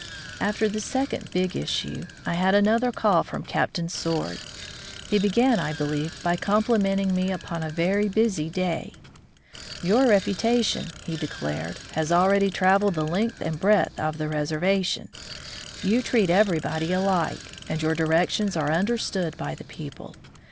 After the second "Big Issue '\ I had an other call from Captain Sword. He began, I believe, by complimenting me upon a very busy day. "Your reputation," he declared, "has already travelled the length and breadth 87 From Ike Deep Woods to Cmlizaium of the reservation. You treat everybody alike, and your directions are understood by the people.